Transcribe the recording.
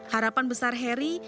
harapan besar heri